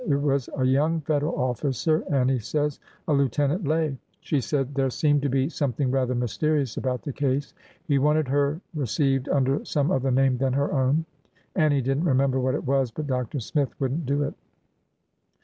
It was a young Federal offi ! cer, Annie says, — a Lieutenant Lay. She said there i seemed to be something rather mysterious about the case. i He wanted her received under some other name than her ,| own,— Annie did n't remember what it was,— but Dr. ) Smith would n't do it."